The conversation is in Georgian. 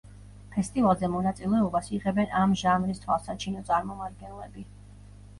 ფესტივალზე მონაწილეობას იღებენ ამ ჟანრის თვალსაჩინო წარმომადგენლები.